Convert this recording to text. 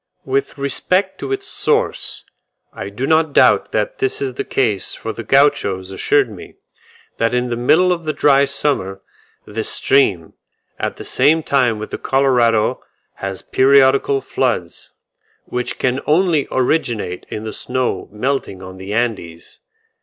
With respect to its source, I do not doubt that this is the case for the Gauchos assured me, that in the middle of the dry summer, this stream, at the same time with the Colorado has periodical floods; which can only originate in the snow melting on the Andes.